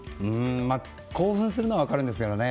興奮するのは分かるんですけどね。